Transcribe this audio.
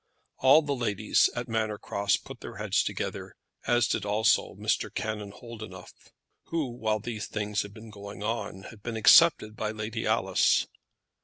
All the ladies at Manor Cross put their heads together, as did also Mr. Canon Holdenough, who, while these things had been going on, had been accepted by Lady Alice.